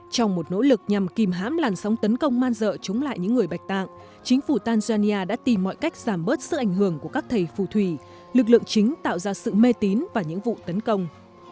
trong một nỗ lực nhằm kìm hãm làn sóng tấn công man dợ chống lại những người bạch tạng chính phủ tanzania đã tìm mọi cách giảm bớt sự ảnh hưởng của các thầy phù thủy lực lượng chính tạo ra sự mê tín và những vụ tấn công